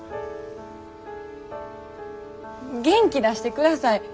元気出してください。